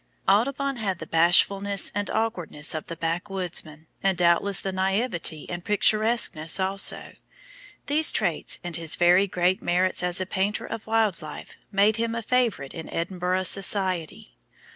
Audubon had the bashfulness and awkwardness of the backwoodsman, and doubtless the naiveté and picturesqueness also; these traits and his very great merits as a painter of wild life, made him a favourite in Edinburgh society.